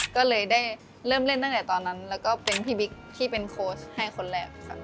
ก็เลยได้เริ่มเล่นตั้งแต่ตอนนั้นแล้วก็เป็นพี่บิ๊กที่เป็นโค้ชให้คนแรกค่ะ